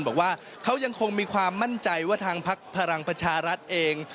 บอกว่าเขายังคงมีความมั่นใจว่าทางพักพลังประชารัฐเอง